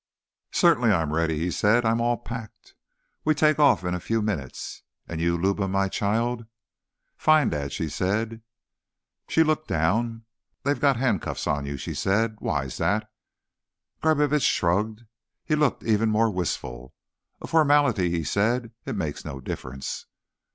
"Certainly I am ready," he said. "I am all packed. We take off in a few minutes. And you, Luba, my child?" "Fine, Dad," she said. She looked down. "They've got handcuffs on you," she said. "Why, that's—" Garbitsch shrugged. He looked even more wistful. "A formality," he said. "It makes no difference."